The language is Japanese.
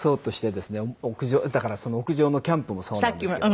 だから屋上のキャンプもそうなんですけど。